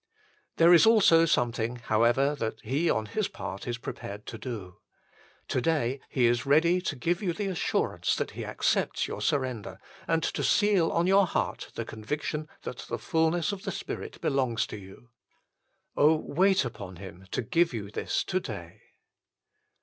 There is also something, however, that He on His part is prepared to do. To day He is ready to give you the assurance that He accepts your surrender and to seal on your heart the conviction that the fulness of the Spirit belongs to you. wait upon Him to give you this to day